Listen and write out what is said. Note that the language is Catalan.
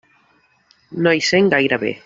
No hi sent gaire bé.